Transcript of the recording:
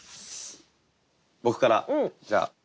僕からじゃあ。